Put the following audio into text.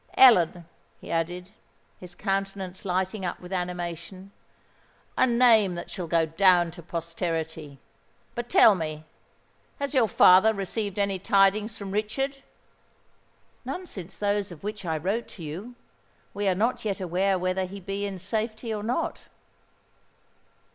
Ellen," he added, his countenance lighting up with animation; "a name that shall go down to posterity! But, tell me—has your father received any tidings from Richard?" "None since those of which I wrote to you. We are not yet aware whether he be in safety, or not."